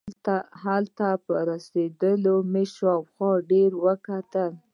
هلته په رسېدو مې شاوخوا ډېر وکتل.